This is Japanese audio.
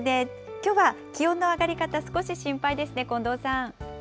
きょうは気温の上がり方、少し心配ですね、近藤さん。